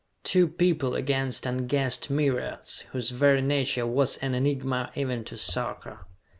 Two people against unguessed myriads, whose very nature was an enigma, even to Sarka.